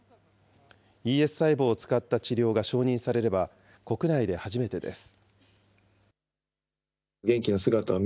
ＥＳ細胞を使った治療が承認されれば、国内で初めてです。